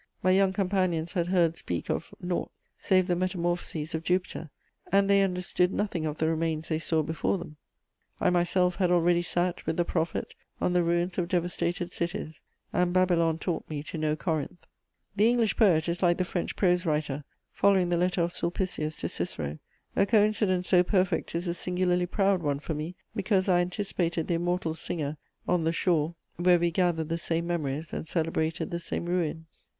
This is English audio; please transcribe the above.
My young companions had heard speak of nought save the metamorphoses of Jupiter, and they understood nothing of the remains they saw before them; I myself had already sat, with the prophet, on the ruins of devastated cities, and Babylon taught me to know Corinth." The English poet is like the French prose writer, following the letter of Sulpicius to Cicero: a coincidence so perfect is a singularly proud one for me, because I anticipated the immortal singer on the shore where we gathered the same memories and celebrated the same ruins.